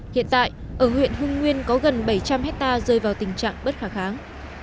hiện tại ở huyện hưng nguyên có gần bảy trăm linh hectare rơi vào tình trạng bất khả kháng